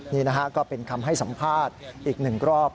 นี่นะฮะก็เป็นคำให้สัมภาษณ์อีกหนึ่งรอบ